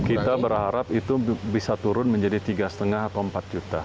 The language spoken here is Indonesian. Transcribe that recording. kita berharap itu bisa turun menjadi tiga lima atau empat juta